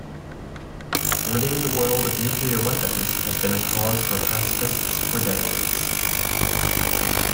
Ridding the world of nuclear weapons has been a cause for pacifists for decades.